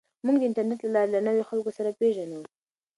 موږ د انټرنیټ له لارې له نویو خلکو سره پېژنو.